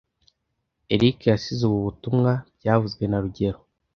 Eric yasize ubu butumwa byavuzwe na rugero